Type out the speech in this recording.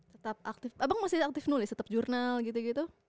tetap aktif abang masih aktif nulis tetap jurnal gitu gitu